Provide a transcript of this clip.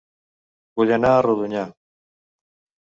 Vull anar a Rodonyà